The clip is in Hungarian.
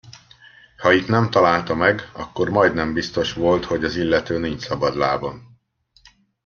Ha itt nem találta meg, akkor majdnem biztos volt, hogy az illető nincs szabadlábon.